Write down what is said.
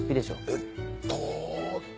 えっと。